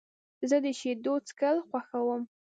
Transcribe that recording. زه د شیدو څښل خوښوم.